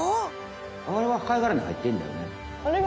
あれは貝がらにはいってんだよね。